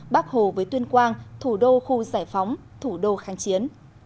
bắc hồ với tuyên quang thủ đô khu giải phóng thủ đô kháng chiến